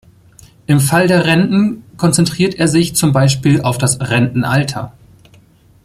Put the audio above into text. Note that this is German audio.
Im Fall der Renten konzentriert er sich zum Beispiel auf das Rentenalter.